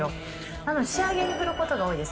なので、仕上げに振ることが多いです。